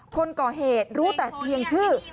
คนก่อเหตุรู้แต่เพียงชื่อ